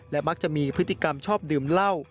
มักจะมีพฤติกรรมชอบดื่มเหล้า